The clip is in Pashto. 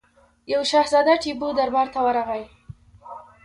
یوه شهزاده ټیپو دربار ته ورغی.